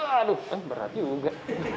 aduh eh berat juga